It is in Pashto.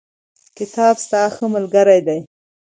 کتاب ستا ښه ملګری دی.